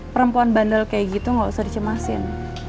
perempuan bandel kayak gitu gak usah dicemasin